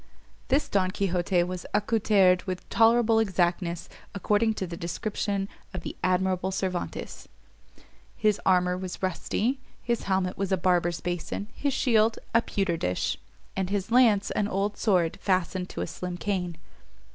This Don Quixote was accoutered with tolerable exactness according to the description of the admirable Cervantes; his armour was rusty, his helmet was a barber's basin, his shield, a pewter dish, and his lance, an old sword fastened to a slim cane.